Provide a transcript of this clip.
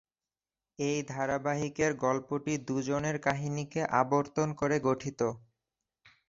এই ধারাবাহিকের গল্পটি দুজনের কাহিনীকে আবর্তন করে গঠিত।